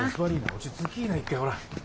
落ち着きぃな一回ほら。